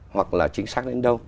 hoặc là chính xác đến đâu